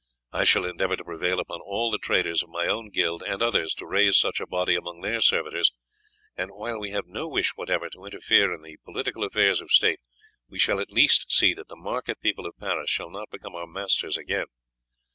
I shall endeavour to prevail upon all the traders of my own guild and others to raise such a body among their servitors; and while we have no wish whatever to interfere in the political affairs of state, we shall at least see that the market people of Paris shall not become our masters again.